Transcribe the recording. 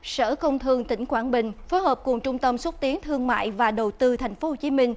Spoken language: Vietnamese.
sở công thương tỉnh quảng bình phối hợp cùng trung tâm xuất tiến thương mại và đầu tư tp hcm